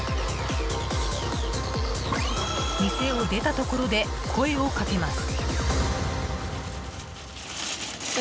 店を出たところで、声をかけます。